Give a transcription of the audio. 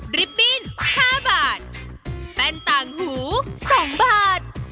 ดริปปิ้นห้าบาทแป้นต่างหูสองบาท